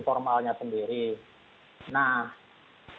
formalnya sendiri nah